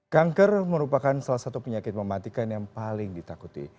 kanker merupakan salah satu penyakit mematikan yang paling ditakuti